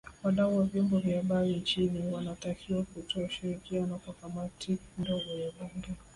Wadau wa Vyombo vya Habari nchini wanatakiwa kutoa ushirikiano kwa Kamati ndogo ya Bunge